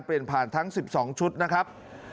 เปลี่ยนผ่านทั้ง๑๒ชุดนะครับ